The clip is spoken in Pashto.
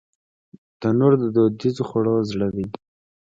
تنور د دودیزو خوړو زړه دی